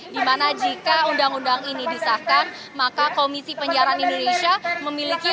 dimana jika undang undang ini disahkan maka komisi penyiaran indonesia memiliki